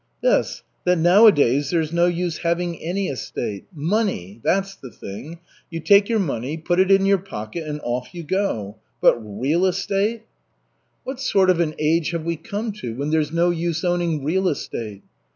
"This, that nowadays there's no use having any estate. Money, that's the thing. You take your money, put it in your pocket and off you go. But real estate " "What sort of an age have we come to when there's no use owning real estate?"